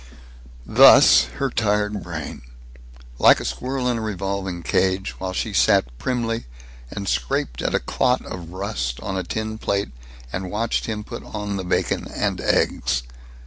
Thus her tired brain, like a squirrel in a revolving cage, while she sat primly and scraped at a clot of rust on a tin plate and watched him put on the bacon and eggs.